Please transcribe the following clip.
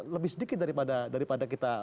lebih sedikit daripada kita